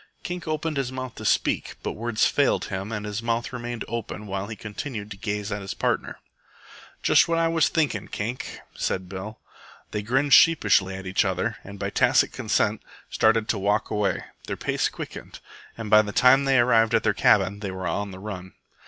Kink opened his mouth to speak, but words failed him and his mouth remained open while he continued to gaze at his partner. "Just what I was thinken', Kink," said Bill. They grinned sheepishly at each other, and by tacit consent started to walk away. Their pace quickened, and by the time they arrived at their cabin they were on the run.